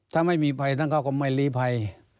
ถ้าไม่มีภัยท่านเขาก็ไม่ลีภัย